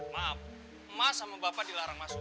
maaf emas sama bapak dilarang masuk